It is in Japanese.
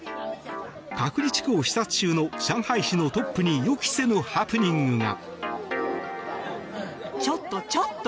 隔離地区を視察中の上海市のトップに予期せぬハプニングが。